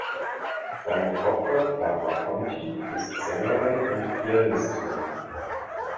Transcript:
Seine Tochter Clara Ponty ist Sängerin und Pianistin.